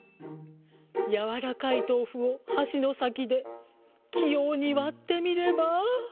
やわらかいとうふをはしのさきできようにわってみれば。